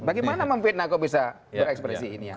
bagaimana memfitnah kok bisa berekspresi ini